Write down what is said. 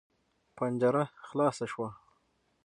پنجره خلاصه شوه.